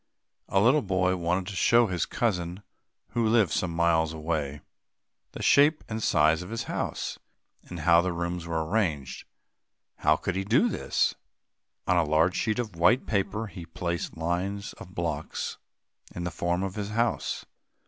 A little boy wanted to show his cousin, who lived some miles away; the shape and size of his house, and how the rooms were arranged. How could he do this? On a large sheet of white paper, he placed lines of blocks in the form of his house.